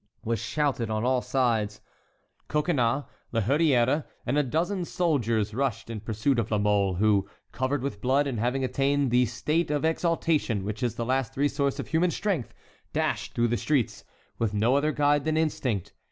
was shouted on all sides. Coconnas, La Hurière, and a dozen soldiers rushed in pursuit of La Mole, who, covered with blood, and having attained that state of exaltation which is the last resource of human strength, dashed through the streets, with no other guide than instinct.